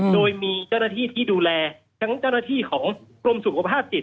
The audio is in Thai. โดยมีเจ้าหน้าที่ที่ดูแลทั้งเจ้าหน้าที่ของกรมสุขภาพจิต